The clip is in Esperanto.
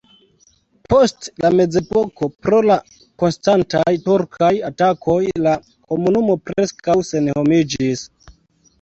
Post la mezepoko pro la konstantaj turkaj atakoj la komunumo preskaŭ senhomiĝis.